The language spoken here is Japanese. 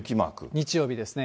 日曜日ですね。